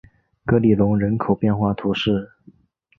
格里隆人口变化图示